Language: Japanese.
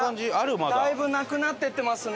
まだ？だいぶなくなっていってますね。